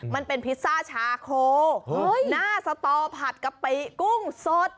มันเป็นพิซซ่าชาโคหน้าสตอผัดกะปิกุ้งสด